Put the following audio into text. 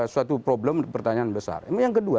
suatu problem pertanyaan besar yang kedua